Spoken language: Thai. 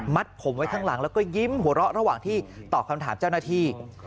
ผมไว้ข้างหลังแล้วก็ยิ้มหัวเราะระหว่างที่ตอบคำถามเจ้าหน้าที่